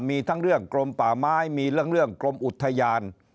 มีทั้งเรื่องกรมป่าไม้มีเรื่องกรมอุทยาน